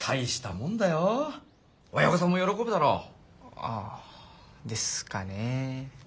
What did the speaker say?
ああですかね。